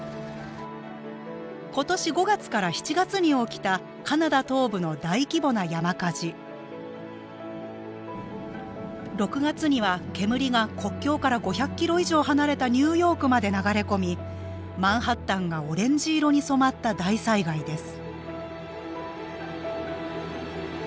今年５月から７月に起きたカナダ東部の大規模な山火事６月には煙が国境から５００ｋｍ以上離れたニューヨークまで流れ込みマンハッタンがオレンジ色に染まった大災害です